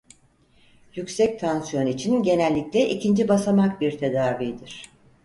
Yüksek tansiyon için genellikle ikinci basamak bir tedavidir.